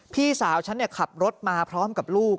พี่สาวฉันขับรถมาพร้อมกับลูก